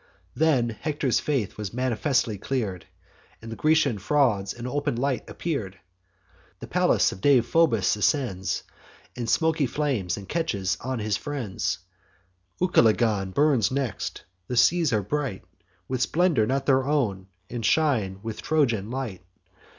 Then Hector's faith was manifestly clear'd, And Grecian frauds in open light appear'd. The palace of Deiphobus ascends In smoky flames, and catches on his friends. Ucalegon burns next: the seas are bright With splendour not their own, and shine with Trojan light.